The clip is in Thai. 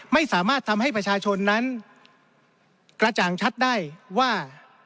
ไม่สามารถทำให้ประชาชนนั้นกระจ่างชัดได้ว่า